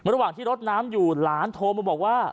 ระหว่างที่รดน้ำอยู่หลานโทรมาบอกว่า